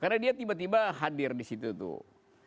karena dia tiba tiba hadir disitu tuh